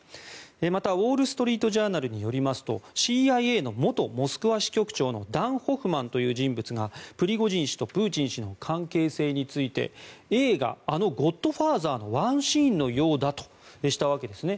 また、ウォール・ストリート・ジャーナルによりますとＣＩＡの元モスクワ支局長のダン・ホフマンという人物がプリゴジン氏とプーチン氏の関係性について映画あの「ゴッドファーザー」のワンシーンのようだとしたわけですね。